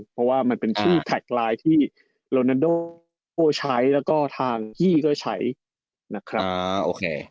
เพราะว่ามันเป็นชื่อแท็กไลน์ที่โรนันโดโอ้ใช้แล้วก็ทางยี่ก็ใช้นะครับโอเค